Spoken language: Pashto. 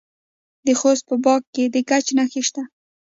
د خوست په باک کې د ګچ نښې شته.